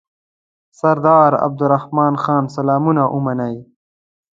سردار عبدالرحمن خان سلامونه ومنئ.